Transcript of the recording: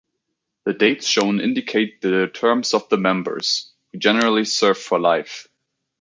The dates shown indicate the terms of the members, who generally serve for life.